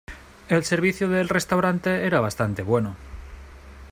El servicio del restaurante era bastante bueno.